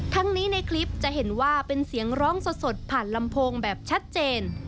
ทั้งนี้ในคลิปจะเห็นว่าเป็นเสียงร้องสดผ่านลำโพงแบบชัดเจน